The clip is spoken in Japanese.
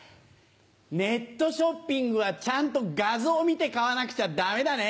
ネットショッピングはちゃんと画像見て買わなくちゃダメだね。